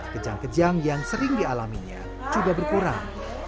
kejang kejang yang sering dialaminya juga berkurang